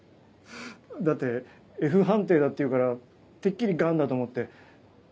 だってＦ判定だっていうからてっきりガンだと思って。